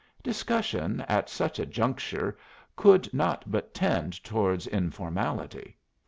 Discussion at such a juncture could not but tend towards informality.